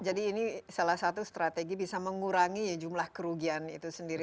jadi ini salah satu strategi bisa mengurangi jumlah kerugian itu sendiri